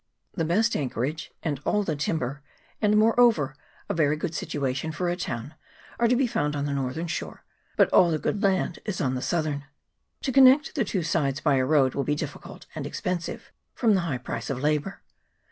The best anchorage, and all the timber, and, moreover, a very good situation for a 296 CAPTAIN SYMONDS. [PART II. town, are to be found on the northern shore ; but all the good land is on the southern. To connect the two sides by a road will be difficult and expen sive, from the high price of labour.